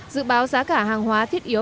dự báo giá cả hàng hóa thiết yếu